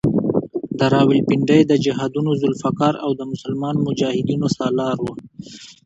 د راولپنډۍ د جهادونو ذوالفقار او د مسلمانو مجاهدینو سالار وو.